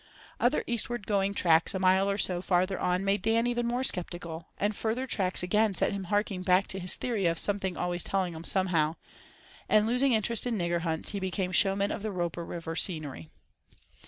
Other eastward going tracks a mile or so farther on made Dan even more sceptical, and further tracks again set him harking back to his theory of "something always telling 'em somehow," and, losing interest in nigger hunts, he became showman of the Roper river scenery.